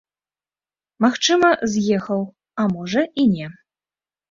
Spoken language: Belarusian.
Магчыма, з'ехаў, а можа і не.